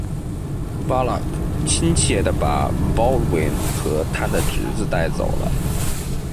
Balac 亲切地把 Baldwin 和他的侄子带走了。